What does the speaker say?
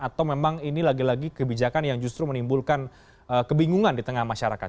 atau memang ini lagi lagi kebijakan yang justru menimbulkan kebingungan di tengah masyarakat